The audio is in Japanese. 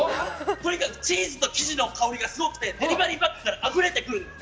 とにかくチーズと生地の香りがすごくてデリバリーバッグからあふれてくるんですね。